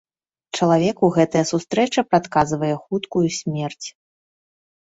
Чалавеку гэтая сустрэча прадказвае хуткую смерць.